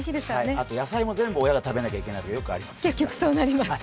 あと、野菜も全部親が食べないといけないとかありますから。